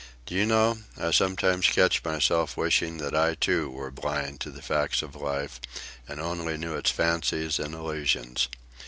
"Do you know, I sometimes catch myself wishing that I, too, were blind to the facts of life and only knew its fancies and illusions.